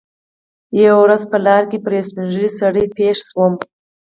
یوه ورځ په لاره کې پر یوه سپین ږیري سړي پېښ شوم.